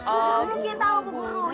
oh mungkin tau ke guru